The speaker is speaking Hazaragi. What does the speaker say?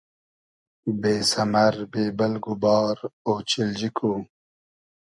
بې سئمئر بې بئلگ و بار اۉچیلجی کو